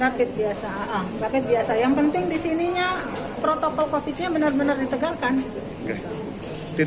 rapit biasa yang penting disininya protokol covid nya benar benar ditegarkan